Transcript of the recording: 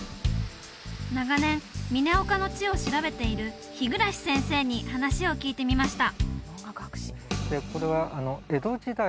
長年嶺岡の地を調べている日暮先生に話を聞いてみました